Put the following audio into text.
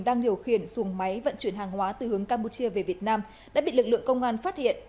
đang điều khiển xuồng máy vận chuyển hàng hóa từ hướng campuchia về việt nam đã bị lực lượng công an phát hiện